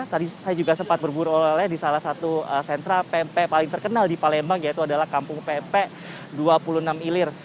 tadi saya juga sempat berburu oleh oleh di salah satu sentra pempek paling terkenal di palembang yaitu adalah kampung pempek dua puluh enam ilir